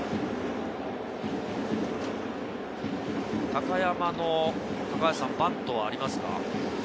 高山のバントはありますか？